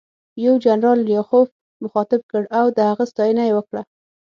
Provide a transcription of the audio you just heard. یو جنرال لیاخوف مخاطب کړ او د هغه ستاینه یې وکړه